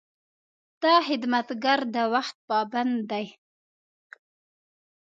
دا خدمتګر د وخت پابند دی.